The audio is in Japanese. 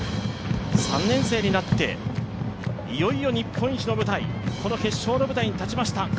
３年生になって、いよいよ日本一の舞台、決勝の舞台に立ちました。